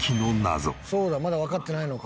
そうだまだわかってないのか。